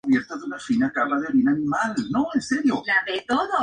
Está rodeado de abundantes árboles de bosque tropical.